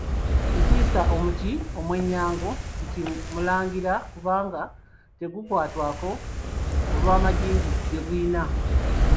Ekiyisa omuti omwennyango nti Mulangira kubanga tegukwatwako olw’amagimbi ge gulina.